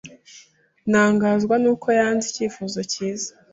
Ntangazwa nuko yanze icyifuzo cyiza.